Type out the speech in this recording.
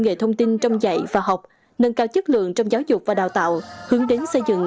nghệ thông tin trong dạy và học nâng cao chất lượng trong giáo dục và đào tạo hướng đến xây dựng